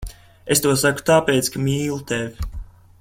Es to saku tāpēc, ka mīlu tevi.